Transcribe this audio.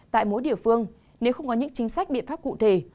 tại mỗi địa phương nếu không có những chính sách biện pháp cụ thể